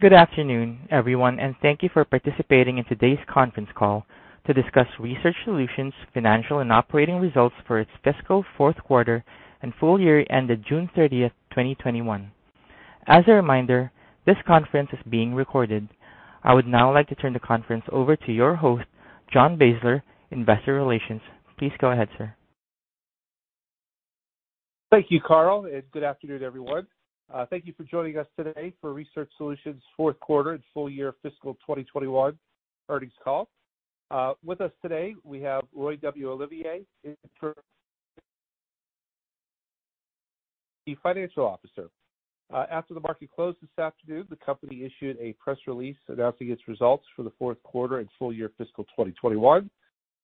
Good afternoon, everyone, and thank you for participating in today's conference call to discuss Research Solutions' financial and operating results for its fiscal fourth quarter and full year ended June 30th, 2021. As a reminder, this conference is being recorded. I would now like to turn the conference over to your host, John Beisler, investor relations. Please go ahead, sir. Thank you, Carl, and good afternoon, everyone. Thank you for joining us today for Research Solutions' fourth quarter and full year fiscal 2021 earnings call. With us today, we have Roy W. Olivier, Interim President and Chief Executive Officer. After the market closed this afternoon, the company issued a press release announcing its results for the fourth quarter and full year fiscal 2021.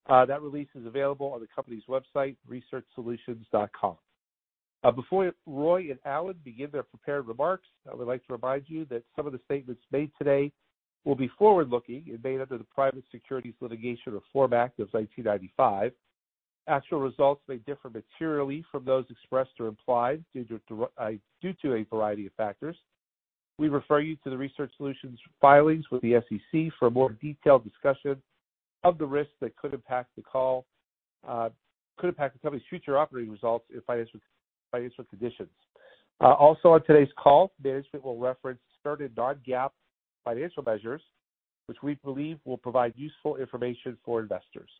That release is available on the company's website, researchsolutions.com. Before Roy and Alan begin their prepared remarks, I would like to remind you that some of the statements made today will be forward-looking and made under the Private Securities Litigation Reform Act of 1995. Actual results may differ materially from those expressed or implied due to a variety of factors. We refer you to the Research Solutions filings with the SEC for a more detailed discussion of the risks that could impact the company's future operating results and financial conditions. Also on today's call, management will reference certain non-GAAP financial measures, which we believe will provide useful information for investors.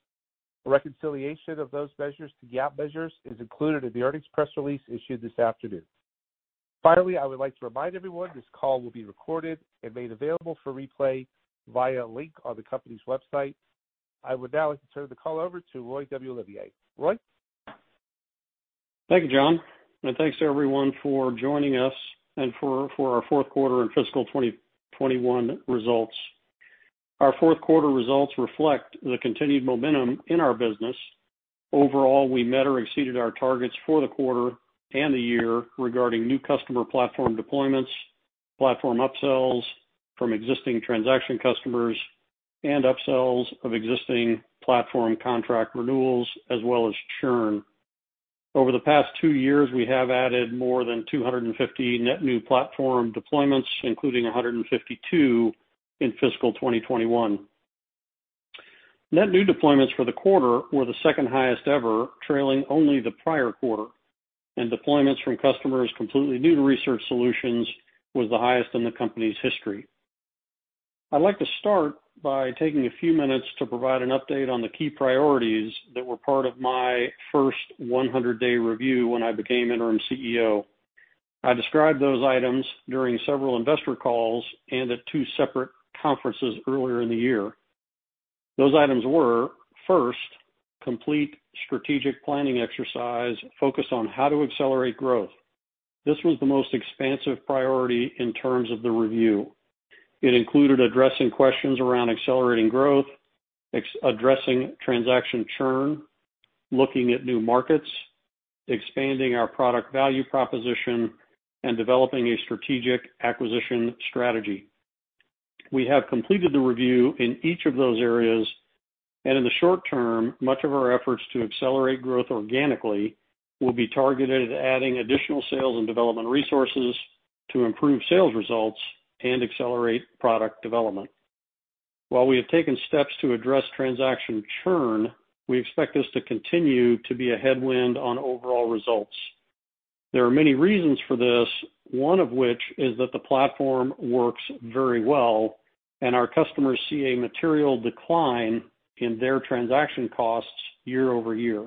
A reconciliation of those measures to GAAP measures is included in the earnings press release issued this afternoon. Finally, I would like to remind everyone this call will be recorded and made available for replay via a link on the company's website. I would now like to turn the call over to Roy W. Olivier. Roy? Thank you, John, and thanks to everyone for joining us and for our fourth quarter and fiscal 2021 results. Our fourth quarter results reflect the continued momentum in our business. Overall, we met or exceeded our targets for the quarter and the year regarding new customer platform deployments, platform upsells from existing transaction customers, and upsells of existing platform contract renewals, as well as churn. Over the past two years, we have added more than 250 net new platform deployments, including 152 in fiscal 2021. Net new deployments for the quarter were the second highest ever, trailing only the prior quarter, and deployments from customers completely new to Research Solutions was the highest in the company's history. I'd like to start by taking a few minutes to provide an update on the key priorities that were part of my first 100-day review when I became interim CEO. I described those items during several investor calls and at two separate conferences earlier in the year. Those items were, first, complete strategic planning exercise focused on how to accelerate growth. This was the most expansive priority in terms of the review. It included addressing questions around accelerating growth, addressing transaction churn, looking at new markets, expanding our product value proposition, and developing a strategic acquisition strategy. We have completed the review in each of those areas, and in the short term, much of our efforts to accelerate growth organically will be targeted at adding additional sales and development resources to improve sales results and accelerate product development. While we have taken steps to address transaction churn, we expect this to continue to be a headwind on overall results. There are many reasons for this, one of which is that the platform works very well and our customers see a material decline in their transaction costs year-over-year.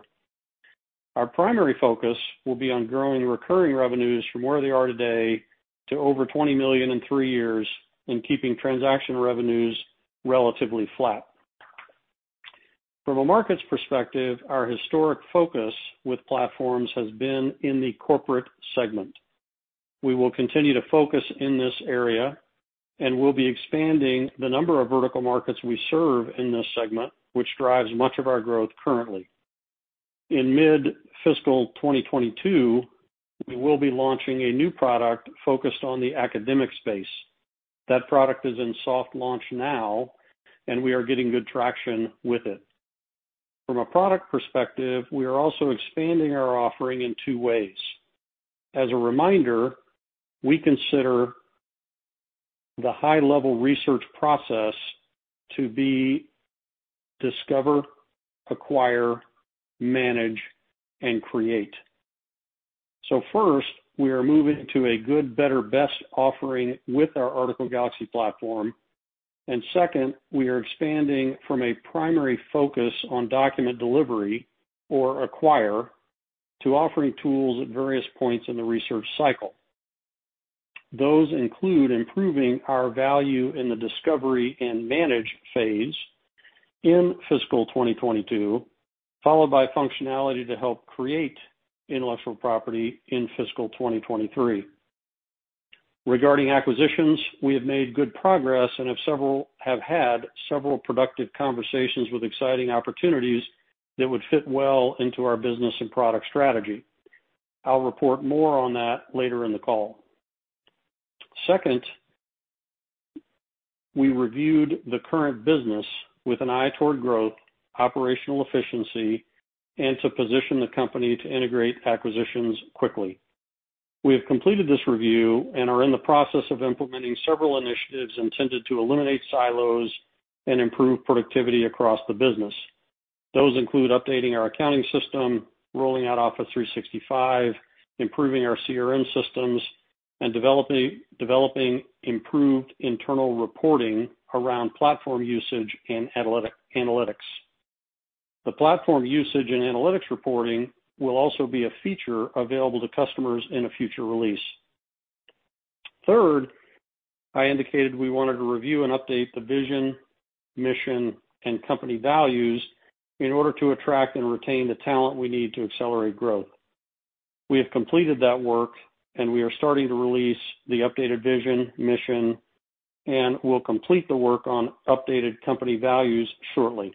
Our primary focus will be on growing recurring revenues from where they are today to over $20 million in three years and keeping transaction revenues relatively flat. From a markets perspective, our historic focus with platforms has been in the corporate segment. We will continue to focus in this area, and we'll be expanding the number of vertical markets we serve in this segment, which drives much of our growth currently. In mid-fiscal 2022, we will be launching a new product focused on the academic space. That product is in soft launch now, and we are getting good traction with it. From a product perspective, we are also expanding our offering in two ways. As a reminder, we consider the high-level research process to be discover, acquire, manage, and create. First, we are moving to a good-better-best offering with our Article Galaxy platform. Second, we are expanding from a primary focus on document delivery, or acquire, to offering tools at various points in the research cycle. Those include improving our value in the discovery and manage phase in fiscal 2022, followed by functionality to help create intellectual property in fiscal 2023. Regarding acquisitions, we have made good progress and have had several productive conversations with exciting opportunities that would fit well into our business and product strategy. I'll report more on that later in the call. Second, we reviewed the current business with an eye toward growth, operational efficiency, and to position the company to integrate acquisitions quickly. We have completed this review and are in the process of implementing several initiatives intended to eliminate silos and improve productivity across the business. Those include updating our accounting system, rolling out Office 365, improving our CRM systems, and developing improved internal reporting around platform usage and analytics. The platform usage and analytics reporting will also be a feature available to customers in a future release. Third, I indicated we wanted to review and update the vision, mission, and company values in order to attract and retain the talent we need to accelerate growth. We have completed that work, and we are starting to release the updated vision, mission, and will complete the work on updated company values shortly.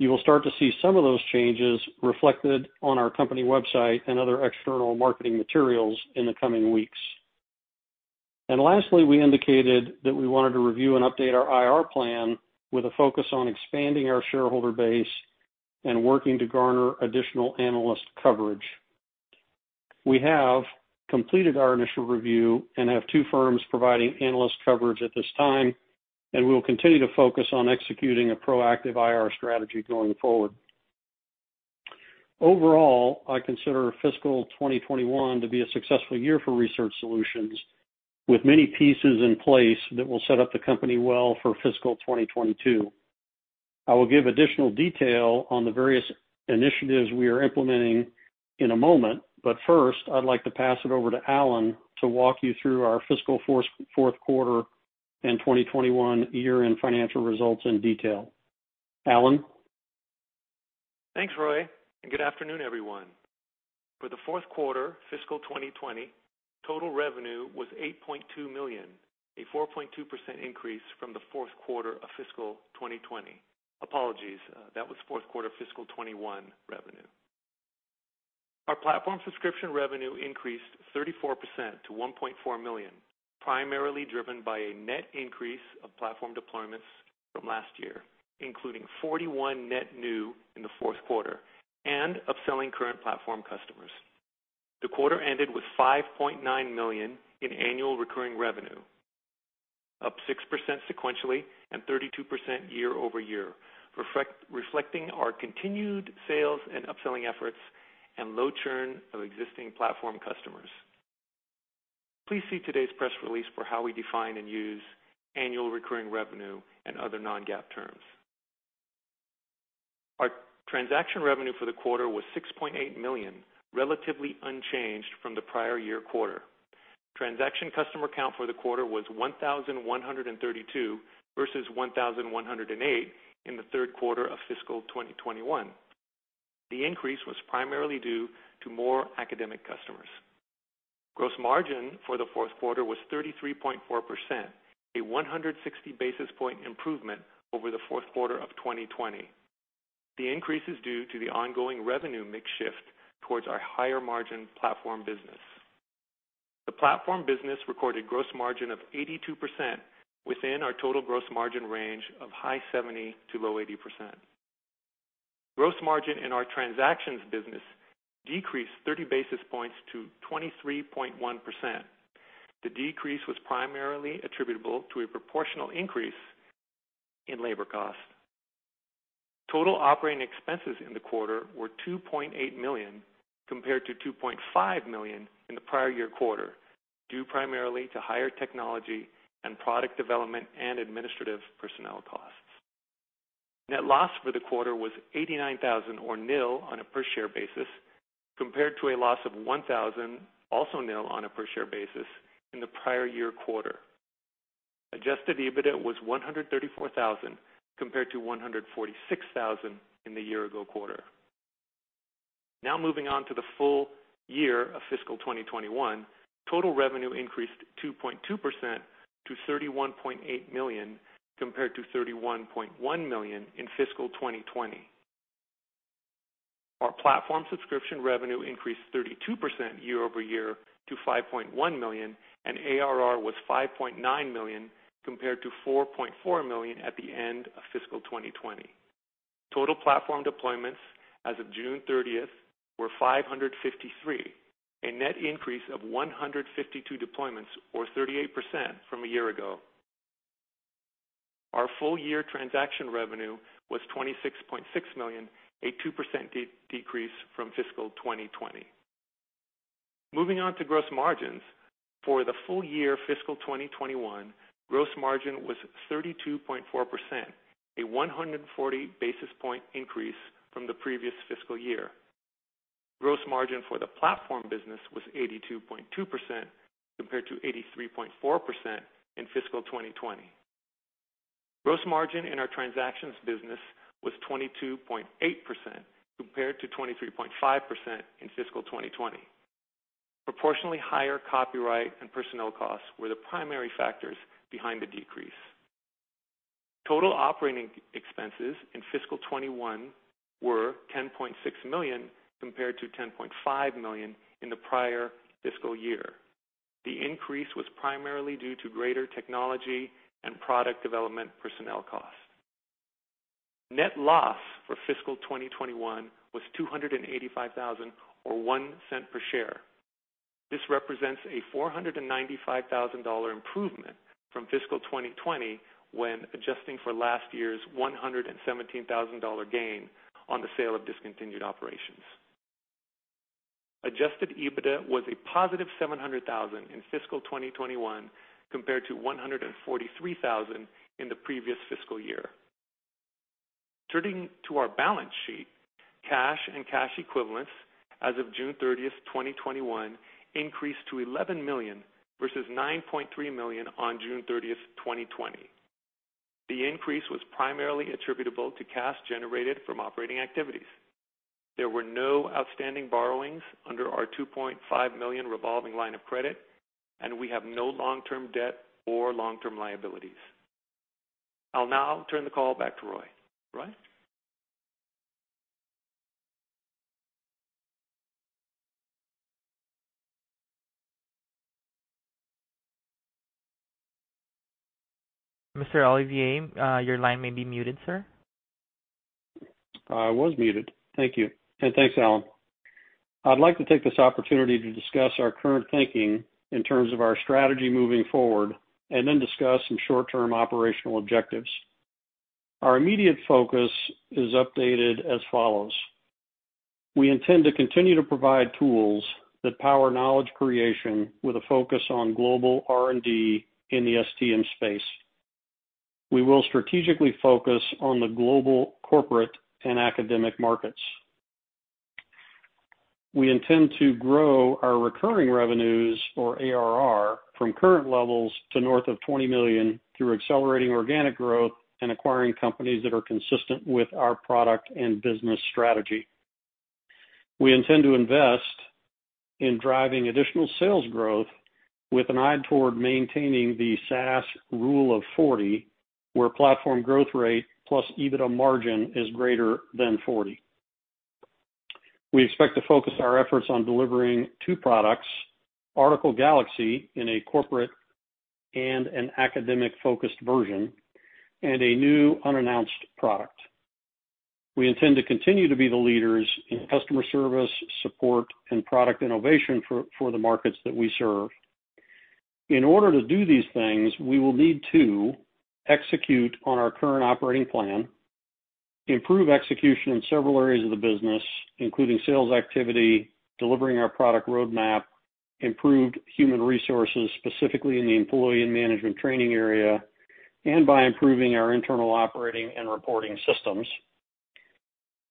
You will start to see some of those changes reflected on our company website and other external marketing materials in the coming weeks. Lastly, we indicated that we wanted to review and update our IR plan with a focus on expanding our shareholder base and working to garner additional analyst coverage. We have completed our initial review and have two firms providing analyst coverage at this time. We will continue to focus on executing a proactive IR strategy going forward. Overall, I consider fiscal 2021 to be a successful year for Research Solutions, with many pieces in place that will set up the company well for fiscal 2022. I will give additional detail on the various initiatives we are implementing in a moment. First, I'd like to pass it over to Alan to walk you through our fiscal fourth quarter and 2021 year-end financial results in detail. Alan? Thanks, Roy, and good afternoon, everyone. For the fourth quarter fiscal 2020, total revenue was $8.2 million, a 4.2% increase from the fourth quarter of fiscal 2020. Apologies, that was fourth quarter FY 2021 revenue. Our platform subscription revenue increased 34% to $1.4 million, primarily driven by a net increase of platform deployments from last year, including 41 net new in the fourth quarter and upselling current platform customers. The quarter ended with $5.9 million in annual recurring revenue, up 6% sequentially and 32% year-over-year, reflecting our continued sales and upselling efforts and low churn of existing platform customers. Please see today's press release for how we define and use annual recurring revenue and other non-GAAP terms. Our transaction revenue for the quarter was $6.8 million, relatively unchanged from the prior year quarter. Transaction customer count for the quarter was 1,132 versus 1,108 in the third quarter of fiscal 2021. The increase was primarily due to more academic customers. Gross margin for the fourth quarter was 33.4%, a 160 basis point improvement over the fourth quarter of 2020. The increase is due to the ongoing revenue mix shift towards our higher margin platform business. The platform business recorded gross margin of 82% within our total gross margin range of high 70% to low 80%. Gross margin in our transactions business decreased 30 basis points to 23.1%. The decrease was primarily attributable to a proportional increase in labor costs. Total operating expenses in the quarter were $2.8 million, compared to $2.5 million in the prior year quarter, due primarily to higher technology and product development and administrative personnel costs. Net loss for the quarter was $89,000 or nil on a per share basis, compared to a loss of $1,000, also nil on a per share basis, in the prior year quarter. Adjusted EBITDA was $134,000, compared to $146,000 in the year ago quarter. Moving on to the full year of fiscal 2021. Total revenue increased 2.2% to $31.8 million, compared to $31.1 million in fiscal 2020. Our platform subscription revenue increased 32% year-over-year to $5.1 million, and ARR was $5.9 million, compared to $4.4 million at the end of fiscal 2020. Total platform deployments as of June 30th were 553, a net increase of 152 deployments or 38% from a year ago. Our full year transaction revenue was $26.6 million, a 2% decrease from fiscal 2020. Moving on to gross margins. For the full year fiscal 2021, gross margin was 32.4%, a 140 basis point increase from the previous fiscal year. Gross margin for the platform business was 82.2% compared to 83.4% in fiscal 2020. Gross margin in our transactions business was 22.8% compared to 23.5% in fiscal 2020. Proportionally higher copyright and personnel costs were the primary factors behind the decrease. Total operating expenses in fiscal 2021 were $10.6 million, compared to $10.5 million in the prior fiscal year. The increase was primarily due to greater technology and product development personnel costs. Net loss for fiscal 2021 was $285,000, or $0.01 per share. This represents a $495,000 improvement from fiscal 2020 when adjusting for last year's $117,000 gain on the sale of discontinued operations. Adjusted EBITDA was a +$700,000 in fiscal 2021, compared to $143,000 in the previous fiscal year. Turning to our balance sheet, cash and cash equivalents as of June 30th, 2021, increased to $11 million versus $9.3 million on June 30th, 2020. The increase was primarily attributable to cash generated from operating activities. There were no outstanding borrowings under our $2.5 million revolving line of credit, and we have no long-term debt or long-term liabilities. I'll now turn the call back to Roy. Roy? Mr. Olivier, your line may be muted, sir. I was muted. Thank you. Thanks, Alan. I'd like to take this opportunity to discuss our current thinking in terms of our strategy moving forward, and then discuss some short-term operational objectives. Our immediate focus is updated as follows. We intend to continue to provide tools that power knowledge creation with a focus on global R&D in the STM space. We will strategically focus on the global corporate and academic markets. We intend to grow our recurring revenues or ARR from current levels to north of $20 million through accelerating organic growth and acquiring companies that are consistent with our product and business strategy. We intend to invest in driving additional sales growth with an eye toward maintaining the SaaS rule of 40, where platform growth rate plus EBITDA margin is greater than 40. We expect to focus our efforts on delivering two products, Article Galaxy in a corporate and an academic-focused version, and a new unannounced product. We intend to continue to be the leaders in customer service, support, and product innovation for the markets that we serve. In order to do these things, we will need to execute on our current operating plan, improve execution in several areas of the business, including sales activity, delivering our product roadmap, improved human resources, specifically in the employee and management training area, and by improving our internal operating and reporting systems.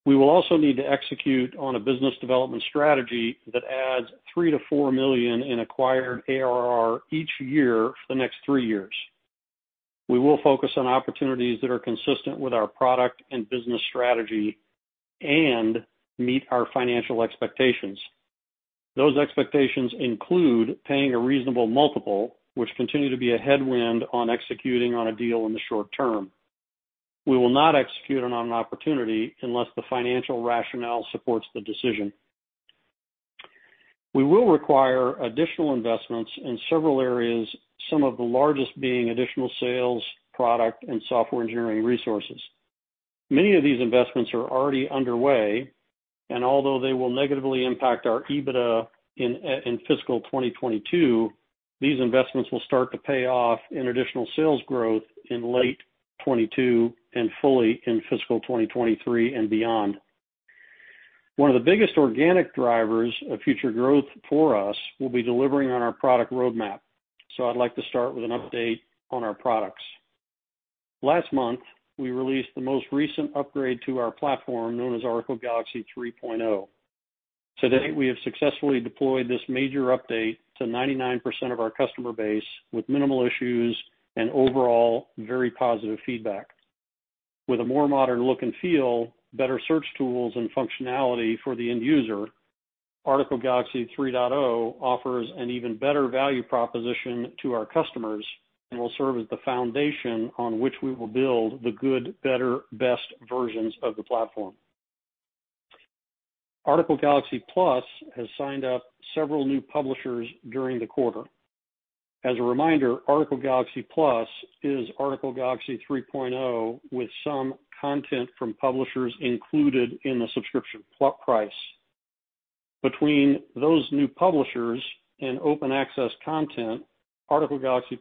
We will also need to execute on a business development strategy that adds $3 million to $4 million in acquired ARR each year for the next three years. We will focus on opportunities that are consistent with our product and business strategy and meet our financial expectations. Those expectations include paying a reasonable multiple, which continue to be a headwind on executing on a deal in the short term. We will not execute on an opportunity unless the financial rationale supports the decision. We will require additional investments in several areas, some of the largest being additional sales, product, and software engineering resources. Many of these investments are already underway, and although they will negatively impact our EBITDA in fiscal 2022, these investments will start to pay off in additional sales growth in late 2022 and fully in fiscal 2023 and beyond. One of the biggest organic drivers for future growth for us will be delivering our product roadmap. I'd like to start with an update on our products. Last month, we released the most recent upgrade to our platform known as Article Galaxy 3.0. To date, we have successfully deployed this major update to 99% of our customer base with minimal issues and overall very positive feedback. With a more modern look and feel, better search tools, and functionality for the end user, Article Galaxy 3.0 offers an even better value proposition to our customers and will serve as the foundation on which we will build the good, better, best versions of the platform. Article Galaxy+ has signed up several new publishers during the quarter. As a reminder, Article Galaxy+ is Article Galaxy 3.0 with some content from publishers included in the subscription price. Between those new publishers and open access content, Article Galaxy+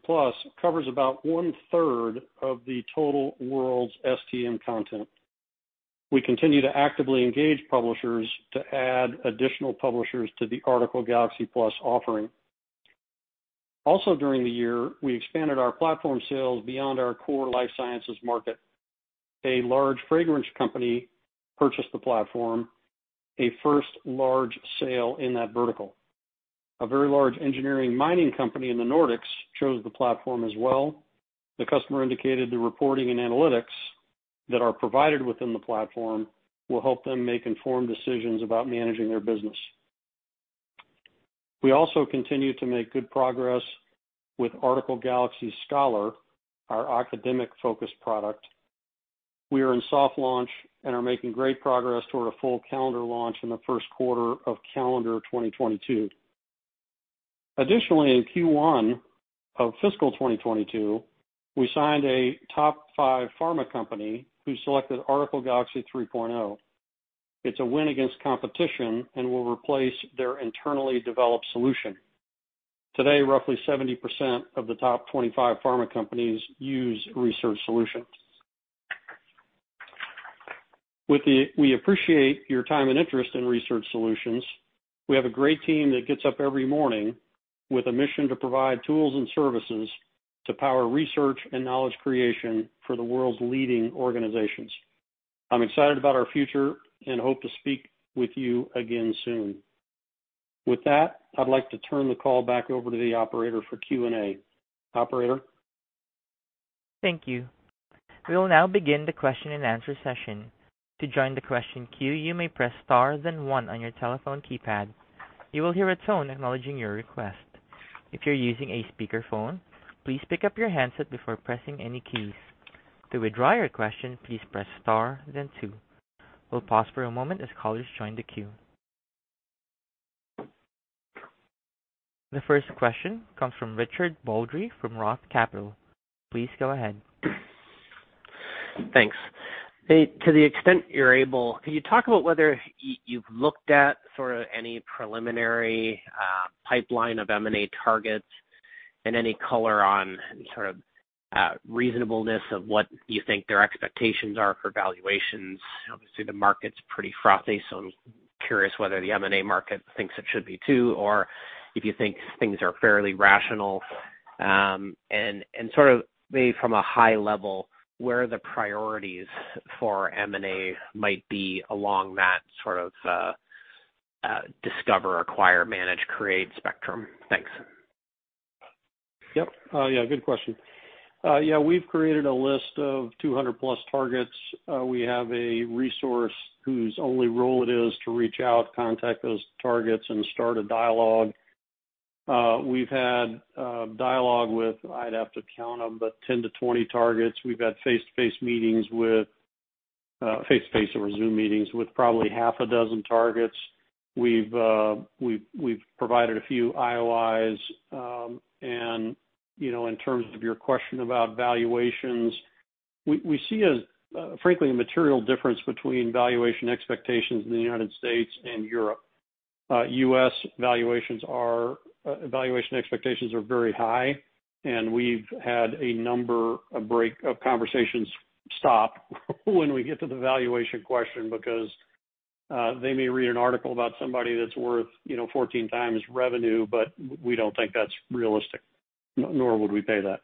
covers about one-third of the total world's STM content. We continue to actively engage publishers to add additional publishers to the Article Galaxy+ offering. Also during the year, we expanded our platform sales beyond our core life sciences market. A large fragrance company purchased the platform, a first large sale in that vertical. A very large engineering mining company in the Nordics chose the platform as well. The customer indicated the reporting and analytics that are provided within the platform will help them make informed decisions about managing their business. We also continue to make good progress with Article Galaxy Scholar, our academic-focused product. We are in soft launch and are making great progress toward a full calendar launch in the first quarter of calendar 2022. Additionally, in Q1 of fiscal 2022, we signed a top five pharma company who selected Article Galaxy 3.0. It's a win against competition and will replace their internally developed solution. Today, roughly 70% of the top 25 pharma companies use Research Solutions. We appreciate your time and interest in Research Solutions. We have a great team that gets up every morning with a mission to provide tools and services to power research and knowledge creation for the world's leading organizations. I'm excited about our future and hope to speak with you again soon. With that, I'd like to turn the call back over to the operator for Q&A. Operator? Thank you. We will now begin the question and answer session. To join the question queue, you may press star then one on your telephone keypad. You will hear a tone acknowledging your request. If you're using a speakerphone, please pick up your handset before pressing any keys. To withdraw your question, please press star then two. We'll pause for a moment as callers join the queue. The first question comes from Richard Baldry from Roth Capital. Please go ahead. Thanks. To the extent you're able, can you talk about whether you've looked at any preliminary pipeline of M&A targets and any color on reasonableness of what you think their expectations are for valuations? Obviously, the market's pretty frothy, so I'm curious whether the M&A market thinks it should be too, or if you think things are fairly rational. Maybe from a high level, where the priorities for M&A might be along that discover, acquire, manage, create spectrum. Thanks. Yep. Good question. We've created a list of 200+ targets. We have a resource whose only role it is to reach out, contact those targets, and start a dialogue. We've had dialogue with, I'd have to count them, but 10 to 20 targets. We've had face-to-face over Zoom meetings with probably half a dozen targets. We've provided a few IOIs. In terms of your question about valuations, we see, frankly, a material difference between valuation expectations in the United States and Europe. U.S. valuation expectations are very high, and we've had a number of conversations stop when we get to the valuation question because they may read an article about somebody that's worth 14 times revenue, but we don't think that's realistic, nor would we pay that.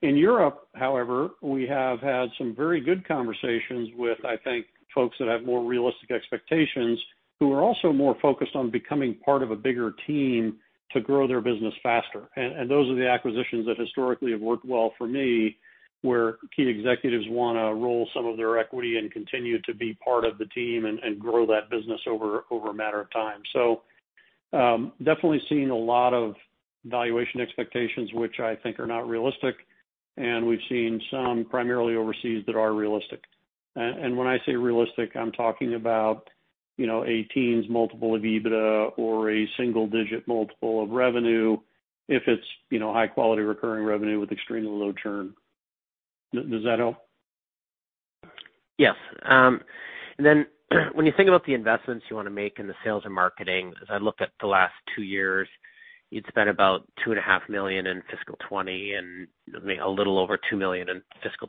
In Europe, however, we have had some very good conversations with, I think, folks that have more realistic expectations who are also more focused on becoming part of a bigger team to grow their business faster. Those are the acquisitions that historically have worked well for me, where key executives want to roll some of their equity and continue to be part of the team and grow that business over a matter of time. Definitely seeing a lot of valuation expectations which I think are not realistic, and we've seen some, primarily overseas, that are realistic. When I say realistic, I'm talking about a teens multiple of EBITDA or a single-digit multiple of revenue if it's high-quality recurring revenue with extremely low churn. Does that help? Yes. When you think about the investments you want to make in the sales and marketing, as I looked at the last two years, you'd spent about $2.5 Million in fiscal 2020 and made a little over $2 million in fiscal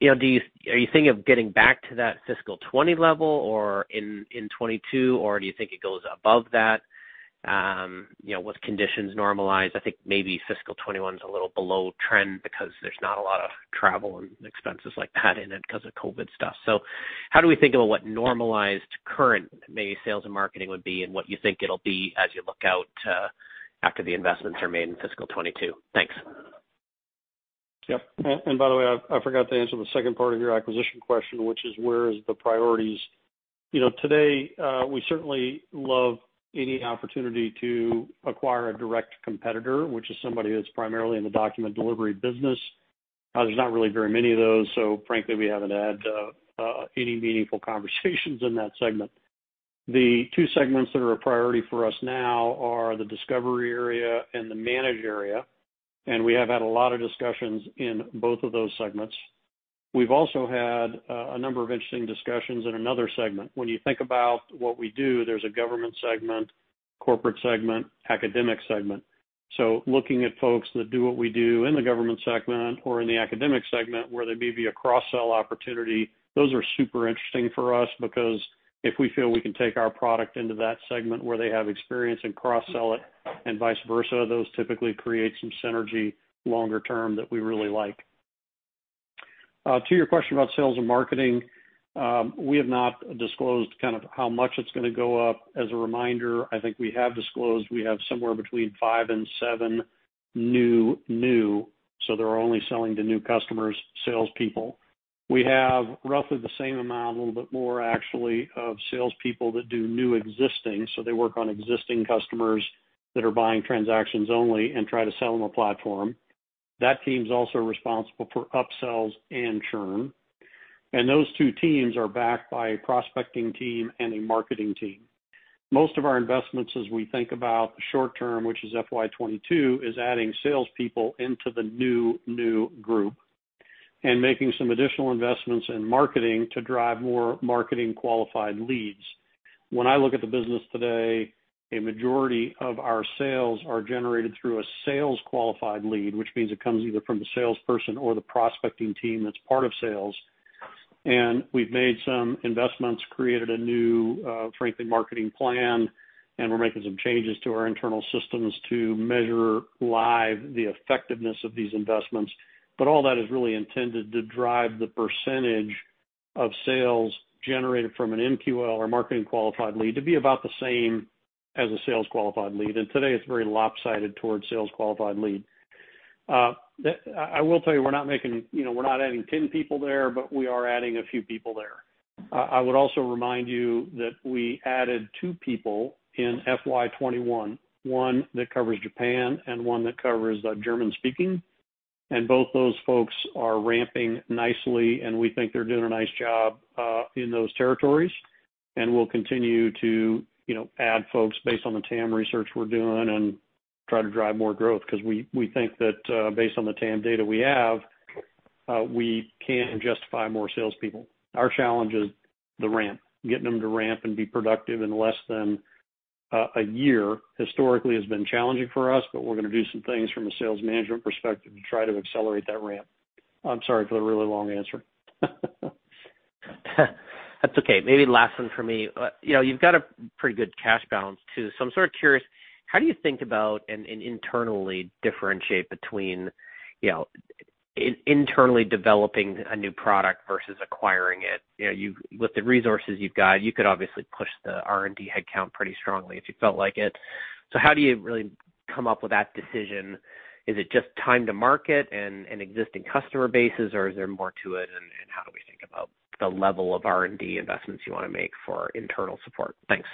2021. Are you thinking of getting back to that fiscal 2020 level in 2022, or do you think it goes above that? With conditions normalized, I think maybe fiscal 2021 is a little below trend because there's not a lot of travel and expenses like that in it because of COVID stuff. How do we think about what normalized current sales and marketing would be and what you think it'll be as you look out after the investments are made in fiscal 2022? Thanks. Yep. By the way, I forgot to answer the second part of your acquisition question, which is where is the priorities. Today, we certainly love any opportunity to acquire a direct competitor, which is somebody that's primarily in the document delivery business. There's not really very many of those, so frankly, we haven't had any meaningful conversations in that segment. The two segments that are a priority for us now are the discovery area and the manage area, and we have had a lot of discussions in both of those segments. We've also had a number of interesting discussions in another segment. When you think about what we do, there's a government segment, corporate segment, academic segment. Looking at folks that do what we do in the government segment or in the academic segment where there may be a cross-sell opportunity, those are super interesting for us because if we feel we can take our product into that segment where they have experience and cross-sell it and vice versa, those typically create some synergy longer term that we really like. To your question about sales and marketing, we have not disclosed how much it's going to go up. As a reminder, I think we have disclosed we have somewhere between five and seven new, so they're only selling to new customers, salespeople. We have roughly the same amount, a little bit more actually, of salespeople that do new existing. They work on existing customers that are buying transactions only and try to sell them a platform. That team's also responsible for upsells and churn. Those two teams are backed by a prospecting team and a marketing team. Most of our investments as we think about the short term, which is FY22, is adding salespeople into the new group and making some additional investments in marketing to drive more marketing qualified leads. When I look at the business today, a majority of our sales are generated through a sales qualified lead, which means it comes either from the salesperson or the prospecting team that's part of sales. We've made some investments, created a new, frankly, marketing plan, and we're making some changes to our internal systems to measure live the effectiveness of these investments. All that is really intended to drive the percentage of sales generated from an MQL or marketing qualified lead to be about the same as a sales qualified lead. Today it's very lopsided towards sales qualified lead. I will tell you, we're not adding 10 people there, but we are adding a few people there. I would also remind you that we added two people in FY 2021, one that covers Japan and one that covers German-speaking, and both those folks are ramping nicely, and we think they're doing a nice job in those territories. We'll continue to add folks based on the TAM research we're doing and try to drive more growth because we think that based on the TAM data we have, we can justify more salespeople. Our challenge is the ramp. Getting them to ramp and be productive in less than a year historically has been challenging for us, but we're going to do some things from a sales management perspective to try to accelerate that ramp. I'm sorry for the really long answer. That's okay. Maybe last one for me. You've got a pretty good cash balance too. I'm sort of curious, how do you think about and internally differentiate between internally developing a new product versus acquiring it? With the resources you've got, you could obviously push the R&D headcount pretty strongly if you felt like it. How do you really come up with that decision? Is it just time to market and existing customer bases, or is there more to it, and how do we think about the level of R&D investments you want to make for internal support? Thanks.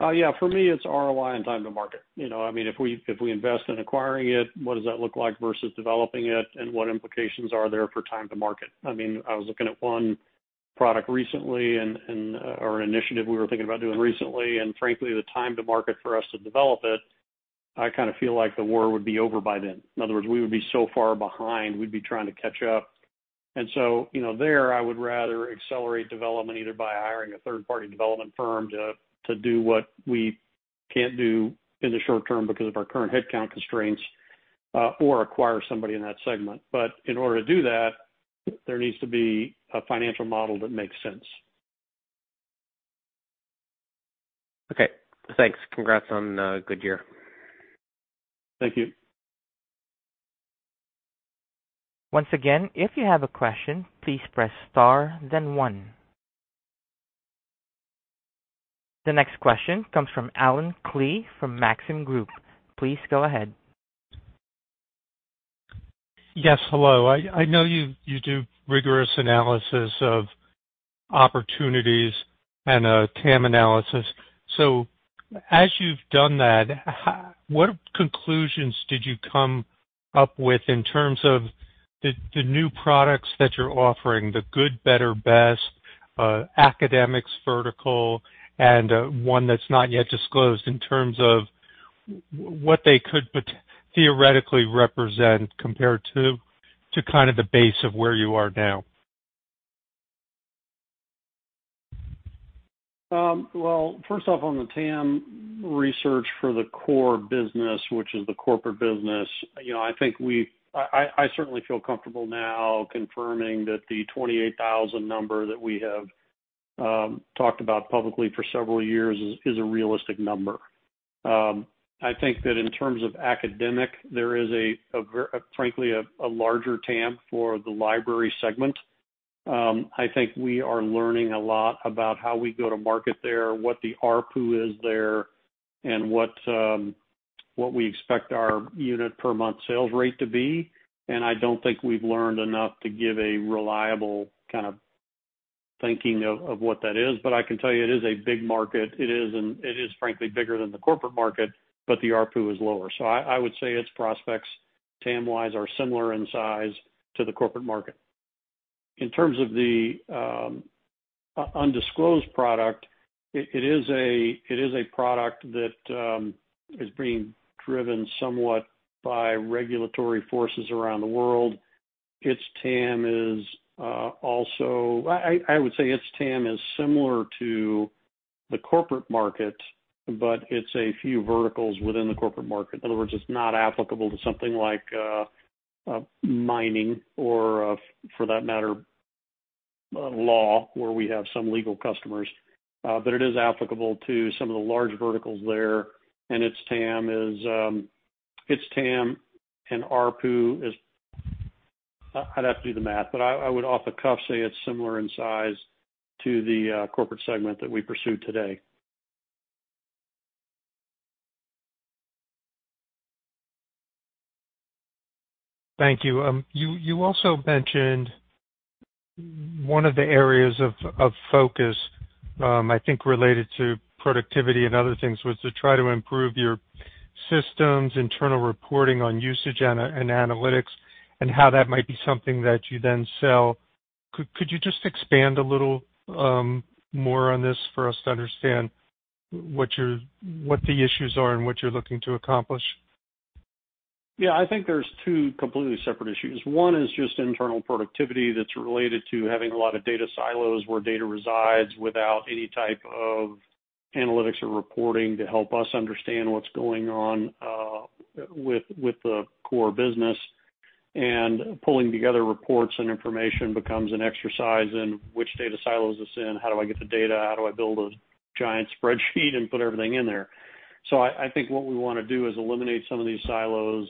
Yeah. For me, it's ROI and time to market. If we invest in acquiring it, what does that look like versus developing it? What implications are there for time to market? I was looking at one product recently or an initiative we were thinking about doing recently, and frankly, the time to market for us to develop it, I kind of feel like the war would be over by then. In other words, we would be so far behind, we'd be trying to catch up. There, I would rather accelerate development either by hiring a third-party development firm to do what we can't do in the short term because of our current headcount constraints, or acquire somebody in that segment. In order to do that, there needs to be a financial model that makes sense. Okay. Thanks. Congrats on a good year. Thank you. Once again, if you have a question, please press star then one. The next question comes from Allen Klee from Maxim Group. Please go ahead. Yes. Hello. I know you do rigorous analysis of opportunities and TAM analysis. As you've done that, what conclusions did you come up with in terms of the new products that you're offering, the good, better, best, academics vertical, and one that's not yet disclosed in terms of what they could theoretically represent compared to the base of where you are now? Well, first off, on the TAM research for the core business, which is the corporate business, I certainly feel comfortable now confirming that the 28,000 number that we have talked about publicly for several years is a realistic number. I think that in terms of academic, there is frankly, a larger TAM for the library segment. I think we are learning a lot about how we go to market there, what the ARPU is there, and what we expect our unit per month sales rate to be. I don't think we've learned enough to give a reliable kind of thinking of what that is. I can tell you it is a big market. It is frankly bigger than the corporate market, but the ARPU is lower. I would say its prospects, TAM-wise, are similar in size to the corporate market. In terms of the undisclosed product, it is a product that is being driven somewhat by regulatory forces around the world. I would say its TAM is similar to the corporate market, but it's a few verticals within the corporate market. In other words, it's not applicable to something like mining or, for that matter, law, where we have some legal customers. But it is applicable to some of the large verticals there, and its TAM and ARPU, I'd have to do the math, but I would off the cuff say it's similar in size to the corporate segment that we pursue today. Thank you. You also mentioned one of the areas of focus, I think, related to productivity and other things, was to try to improve your systems, internal reporting on usage and analytics, and how that might be something that you then sell. Could you just expand a little more on this for us to understand what the issues are and what you're looking to accomplish? Yeah. I think there's two completely separate issues. 1 is just internal productivity that's related to having a lot of data silos where data resides without any type of analytics or reporting to help us understand what's going on with the core business. Pulling together reports and information becomes an exercise in which data silos it's in, how do I get the data out, how do I build a giant spreadsheet and put everything in there? I think what we want to do is eliminate some of these silos,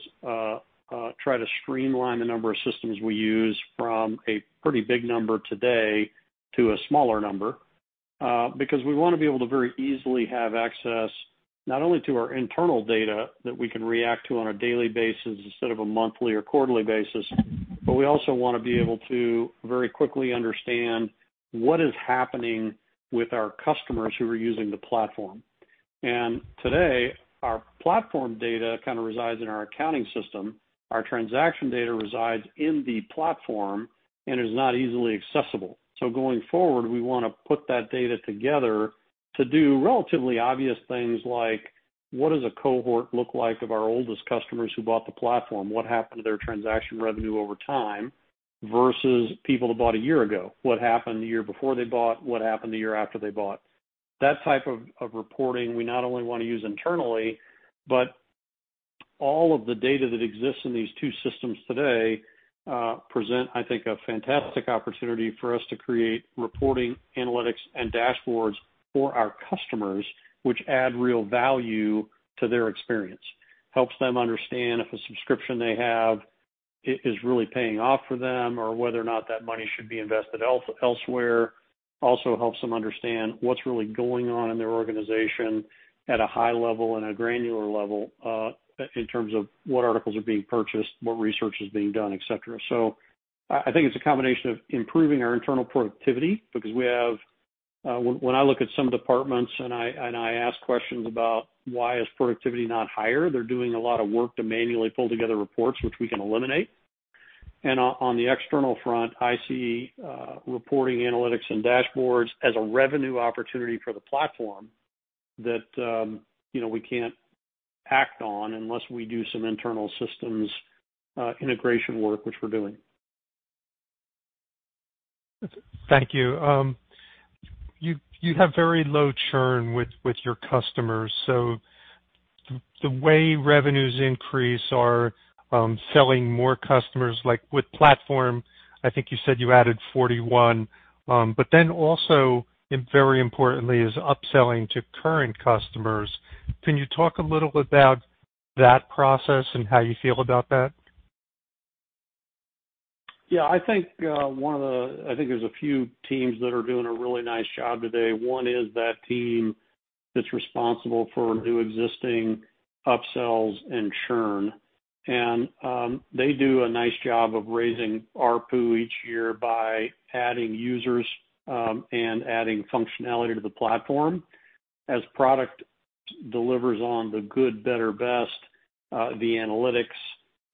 try to streamline the number of systems we use from a pretty big number today to a smaller number. Because we want to be able to very easily have access, not only to our internal data that we can react to on a daily basis instead of a monthly or quarterly basis, but we also want to be able to very quickly understand what is happening with our customers who are using the platform. Today, our platform data kind of resides in our accounting system. Our transaction data resides in the platform and is not easily accessible. Going forward, we want to put that data together to do relatively obvious things like, what does a cohort look like of our oldest customers who bought the platform? What happened to their transaction revenue over time versus people that bought a year ago? What happened the year before they bought? What happened the year after they bought? That type of reporting, we not only want to use internally, but all of the data that exists in these two systems today present, I think, a fantastic opportunity for us to create reporting, analytics, and dashboards for our customers, which add real value to their experience. Helps them understand if a subscription they have is really paying off for them or whether or not that money should be invested elsewhere. Also helps them understand what's really going on in their organization at a high level and a granular level, in terms of what articles are being purchased, what research is being done, et cetera. I think it's a combination of improving our internal productivity, because when I look at some departments and I ask questions about why is productivity not higher, they're doing a lot of work to manually pull together reports which we can eliminate. On the external front, I see reporting, analytics, and dashboards as a revenue opportunity for the platform that we can't act on unless we do some internal systems integration work, which we're doing. Thank you. You have very low churn with your customers, so the way revenues increase are selling more customers, like with platform, I think you said you added 41. Also, very importantly, is upselling to current customers. Can you talk a little about that process and how you feel about that? Yeah. I think there's a few teams that are doing a really nice job today. One is that team that's responsible for new existing upsells and churn. They do a nice job of raising ARPU each year by adding users and adding functionality to the platform. As product delivers on the good, better, best, the analytics,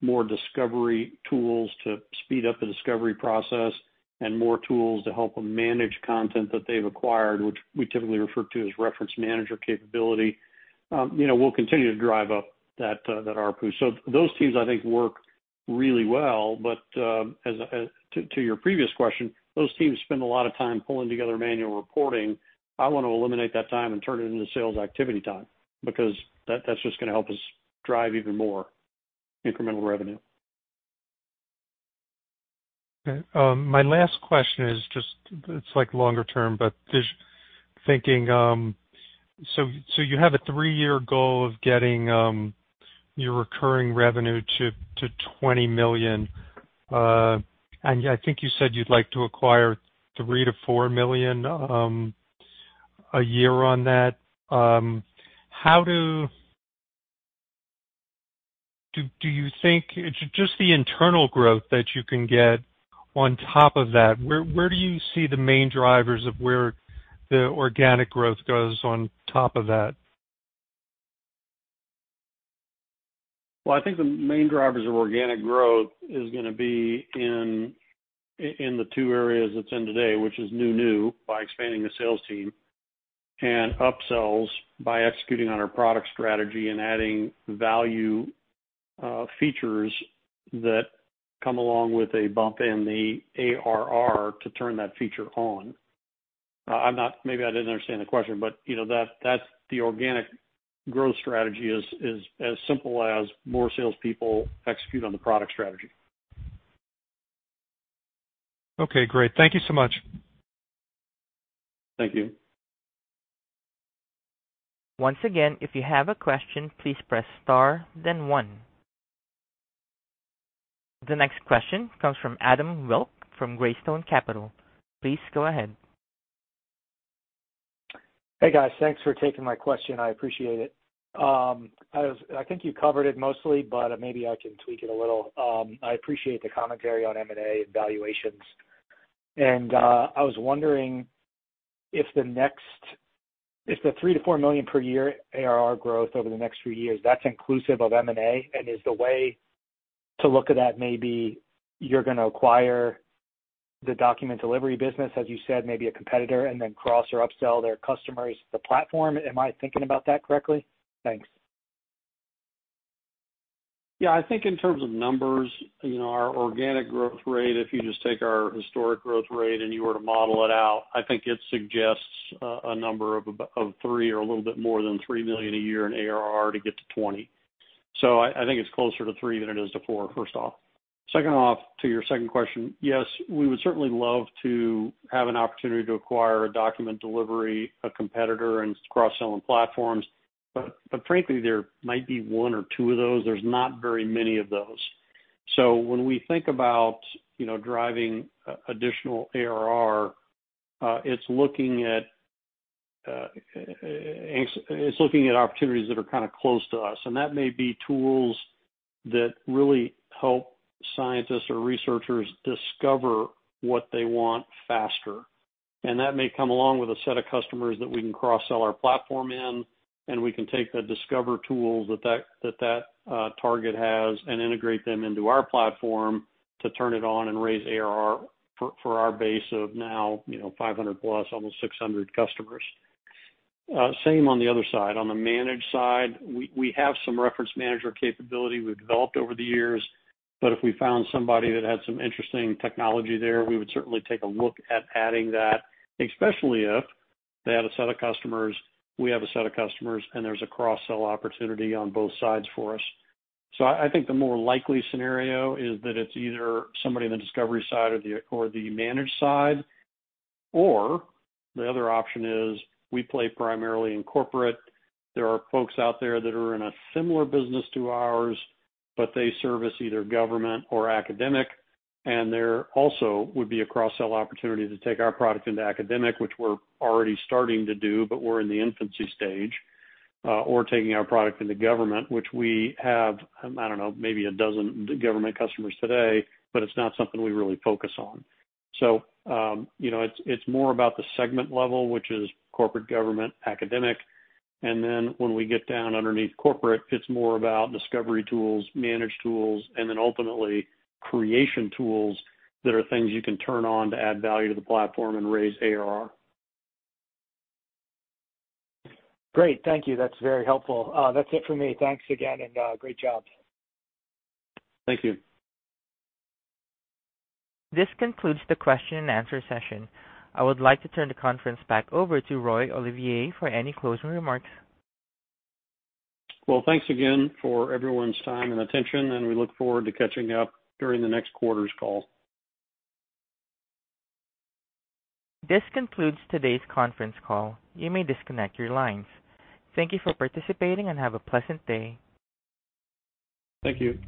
more discovery tools to speed up the discovery process, and more tools to help them manage content that they've acquired, which we typically refer to as reference manager capability. We'll continue to drive up that ARPU. Those teams, I think, work really well. To your previous question, those teams spend a lot of time pulling together manual reporting. I want to eliminate that time and turn it into sales activity time, because that's just going to help us drive even more incremental revenue. Okay. My last question is just like longer term, but just thinking, so you have a three-year goal of getting your recurring revenue to $20 million. I think you said you'd like to acquire $3 million to $4 million a year on that. Do you think it's just the internal growth that you can get on top of that? Where do you see the main drivers of where the organic growth goes on top of that? Well, I think the main drivers of organic growth is going to be in the two areas it's in today, which is new-new, by expanding the sales team, and upsells by executing on our product strategy and adding value features that come along with a bump in the ARR to turn that feature on. Maybe I didn't understand the question, but the organic growth strategy is as simple as more salespeople execute on the product strategy. Okay, great. Thank you so much. Thank you. Once again, if you have a question please press star then one. The next question comes from Adam Wilk from Greystone Capital. Please go ahead. Hey, guys. Thanks for taking my question. I appreciate it. I think you covered it mostly, but maybe I can tweak it a little. I appreciate the commentary on M&A evaluations, I was wondering if the $3 million-$4 million per year ARR growth over the next few years, that's inclusive of M&A, is the way to look at that maybe you're going to acquire the document delivery business, as you said, maybe a competitor, and then cross or upsell their customers the platform? Am I thinking about that correctly? Thanks. I think in terms of numbers, our organic growth rate, if you just take our historic growth rate and you were to model it out, I think it suggests a number of $3 million or a little bit more than $3 million a year in ARR to get to 20. I think it's closer to $3 than it is to $4, first off. Second off, to your second question, yes, we would certainly love to have an opportunity to acquire a document delivery competitor and cross-selling platforms. Frankly, there might be one or two of those. There's not very many of those. When we think about driving additional ARR, it's looking at opportunities that are close to us, and that may be tools that really help scientists or researchers discover what they want faster. That may come along with a set of customers that we can cross-sell our platform in, and we can take the discover tools that target has and integrate them into our platform to turn it on and raise ARR for our base of now 500+, almost 600 customers. Same on the other side. On the manage side, we have some reference manager capability we've developed over the years, but if we found somebody that had some interesting technology there, we would certainly take a look at adding that, especially if they had a set of customers, we have a set of customers, and there's a cross-sell opportunity on both sides for us. I think the more likely scenario is that it's either somebody on the discovery side or the manage side. The other option is we play primarily in corporate. There are folks out there that are in a similar business to ours, but they service either government or academic, and there also would be a cross-sell opportunity to take our product into academic, which we're already starting to do, but we're in the infancy stage. Taking our product into government, which we have, I don't know, maybe 12 government customers today, but it's not something we really focus on. It's more about the segment level, which is corporate government, academic. When we get down underneath corporate, it's more about discovery tools, manage tools, and then ultimately creation tools that are things you can turn on to add value to the platform and raise ARR. Great. Thank you. That's very helpful. That's it for me. Thanks again, and great job. Thank you. This concludes the question-and-answer session. I would like to turn the conference back over to Roy Olivier for any closing remarks. Well, thanks again for everyone's time and attention, and we look forward to catching up during the next quarter's call. This concludes today's conference call. You may disconnect your lines. Thank you for participating, and have a pleasant day. Thank you.